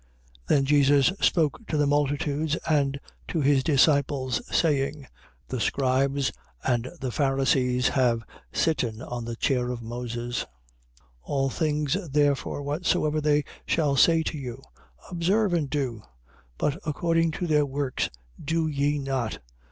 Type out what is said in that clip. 23:1. Then Jesus spoke to the multitudes and to his disciples, 23:2. Saying: The scribes and the Pharisees have sitten on the chair of Moses. 23:3. All things therefore whatsoever they shall say to you, observe and do: but according to their works do ye not.